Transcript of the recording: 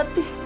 aku yang mati